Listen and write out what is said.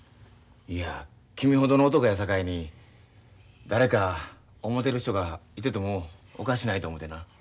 いや君ほどの男やさかいに誰か思てる人がいててもおかしないと思てな。